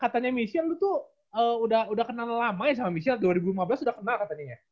katanya michelle lu tuh udah kenal lamanya sama michelle dua ribu lima belas udah kenal katanya ya